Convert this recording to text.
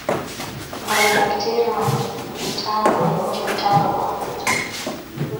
Mycobacteria wana utando wa nje utando wa mafuta